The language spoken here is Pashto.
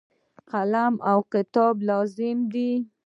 قلم او کتاب لازم دي.